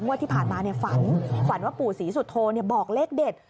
มวดที่ผ่านมาเนี่ยฝันฝันว่าปู่ศรีสุทโทบอกเลขเด็ด